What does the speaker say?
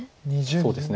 そうですね